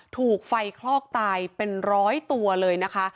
ถูกไฟคลอกตายเป็นร้อยตัวเลยนะคะ